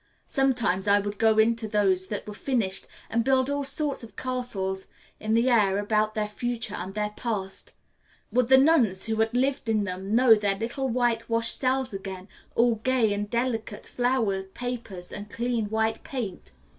Sometimes I would go into those that were finished and build all sorts of castles in the air about their future and their past. Would the nuns who had lived in them know their little white washed cells again, all gay with delicate flower papers and clean white paint?